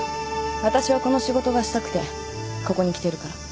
わたしはこの仕事がしたくてここに来てるから。